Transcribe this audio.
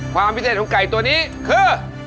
ความพิเศษของไก่ตัวนี้คือ